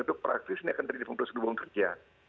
itu praktis ini akan terdiri dari pungkusan dukungan kerja